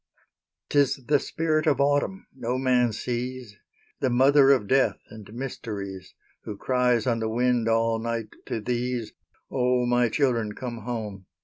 'Tis the Spirit of Autumn, no man sees, The mother of Death and Mysteries, Who cries on the wind all night to these, "O, my children, come home!"